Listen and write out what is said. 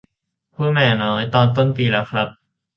พูดมาอย่างน้อยตอนต้นปีแล้วครับ